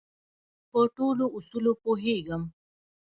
په ټولو اصولو پوهېږم.